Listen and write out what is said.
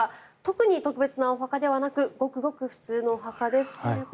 特に特別なお墓ではなくごくごく普通のお墓ですと。